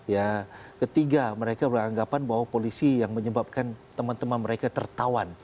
ya ketiga mereka beranggapan bahwa polisi yang menyebabkan teman teman mereka tertawan